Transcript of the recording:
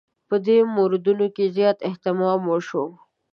په دې موردونو کې زیات اهتمام وشو.